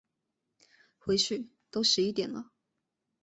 回去都十一点了